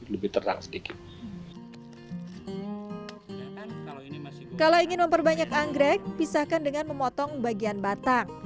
lebih terang sedikit kalau ingin memperbanyak anggrek pisahkan dengan memotong bagian batang